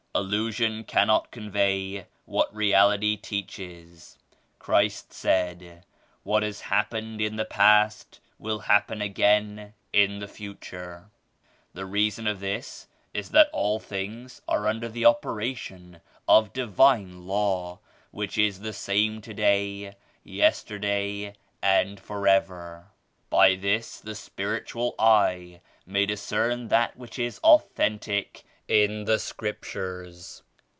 "Allusion cannot convey what Reality teaches. Christ said 'what has happened in the past will happen again in the future.' The reason of this is that all things are under the operation of Divine Law which is the same today, yesterday 10 and forever. By this the spiritual eye may dis cern that which is authentic in the Scriptures."